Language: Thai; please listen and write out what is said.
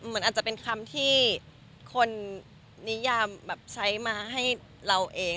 มันอาจจะเป็นคำที่คนนิยามแบบใช้มาให้เราเอง